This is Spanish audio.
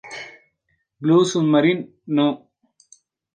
Blue Submarine No.